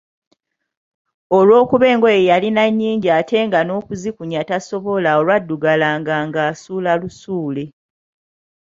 Olwokuba engoye yalina nnyingi ate nga n'okuzikunya tasobola olwaddugalanga nga asuula lusuule.